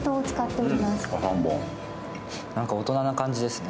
何か大人な感じですね。